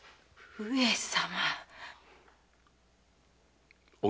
上様！